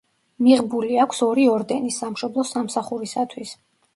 მიღბული აქვს ორი ორდენი „სამშობლოს სამსახურისათვის“.